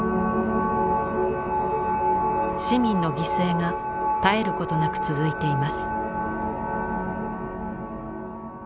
市民の犠牲が絶えることなく続いています。